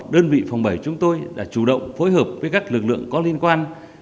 đơn vị phòng bảy chúng tôi đã chủ động phối hợp với các lực lượng có liên quan